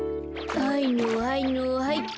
はいのはいのはいっと。